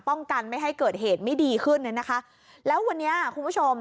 กันไม่ให้เกิดเหตุไม่ดีขึ้นเนี่ยนะคะแล้ววันนี้คุณผู้ชม